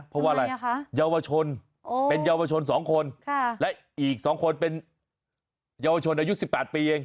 เพราะว่าอะไรเยาวชนเป็นเยาวชน๒คนและอีก๒คนเป็นเยาวชนอายุ๑๘ปีเอง